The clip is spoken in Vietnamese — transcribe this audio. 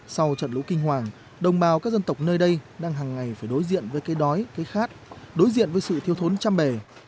sau trận lũ kinh hoàng đồng bào các dân tộc nơi đây đang hàng ngày phải đối diện với cây đói cây khát đối diện với sự thiêu thốn trăm bề